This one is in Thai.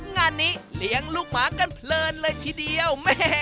งานนี้เลี้ยงลูกหมากันเพลินเลยทีเดียวแม่